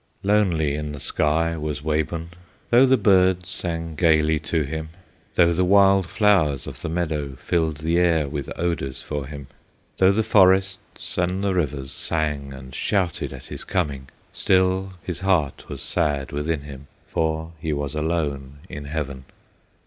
Lonely in the sky was Wabun; Though the birds sang gayly to him, Though the wild flowers of the meadow Filled the air with odors for him; Though the forests and the rivers Sang and shouted at his coming, Still his heart was sad within him, For he was alone in heaven.